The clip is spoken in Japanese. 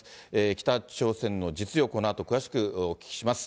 北朝鮮の実情、このあと詳しくお聞きします。